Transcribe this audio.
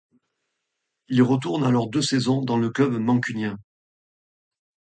Il retourne alors deux saisons dans le club mancunien.